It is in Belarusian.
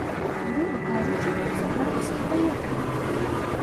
Груба кажучы, сабраліся і паехалі.